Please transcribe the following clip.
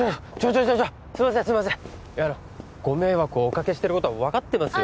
すいませんご迷惑をおかけしてることは分かってますよ